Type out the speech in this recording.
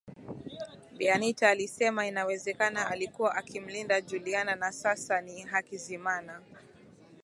Bi Anita alisema inawezekana alikuwa akimlinda Juliana na sasa ni Hakizimana